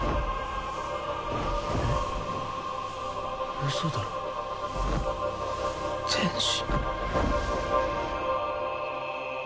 ウソだろ天使？